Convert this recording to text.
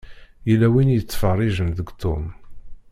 Yella win i yettfeṛṛiǧen deg Tom.